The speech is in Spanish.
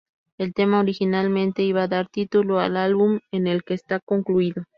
El tema originalmente iba a dar título al álbum en el que está incluido.